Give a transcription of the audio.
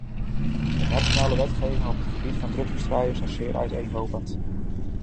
De nationale wetgevingen op het gebied van drugsbestrijding zijn zeer uiteenlopend.